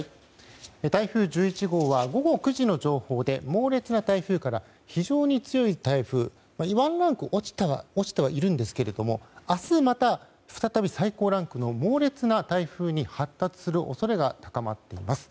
台風１１号は午後９時の情報で猛烈な台風から非常に強い台風にワンランク落ちてはいるんですが明日、また再び最高ランクの猛烈な台風に発達する恐れが高まっています。